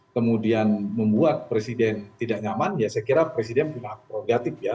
kemudian membuat presiden tidak nyaman ya saya kira presiden juga progratif ya